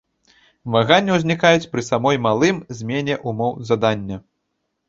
Ваганні ўзнікаюць пры самой малым змене ўмоў задання.